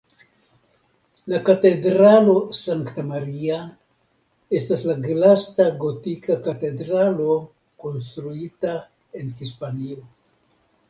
La Katedralo Sankta Maria estas la lasta gotika katedralo konstruita en Hispanio.